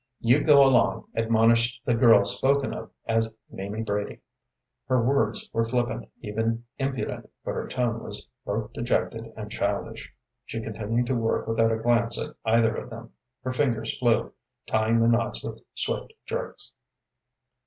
"You go along," admonished the girl spoken of as "Mamie Brady." Her words were flippant, even impudent, but her tone was both dejected and childish. She continued to work without a glance at either of them. Her fingers flew, tying the knots with swift jerks.